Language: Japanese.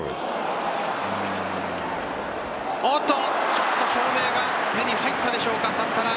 ちょっと照明が目に入ったでしょうか、サンタナ。